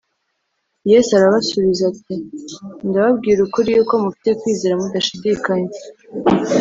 Yesu arabasubiza ati “Ndababwira ukuri yuko mufite kwizera mudashidikanya